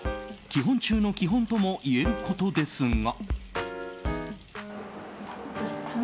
基本中の基本ともいえることですが。